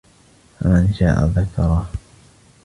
فَمَن شَاء ذَكَرَهُ